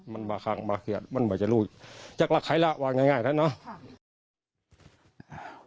มันบาลักษมณะโดยเจ้าหลักขายละว่าง่ายแล้วเนี่ย